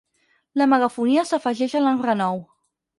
La megafonia s'afegeix a l'enrenou.